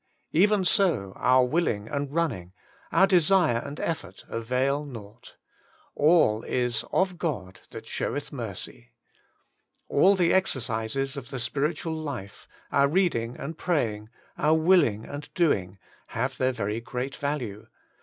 Even so, our willing and running, our desire and effort, avail nought; all is *of God that sheweth mercy.' All the exercises of the spiritual life, our teading and praying, our willing and doing, have iheir very great value.